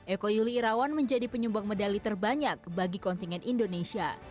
eko yuli irawan menjadi penyumbang medali terbanyak bagi kontingen indonesia